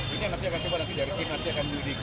ini nanti akan coba dari dki nanti akan di udk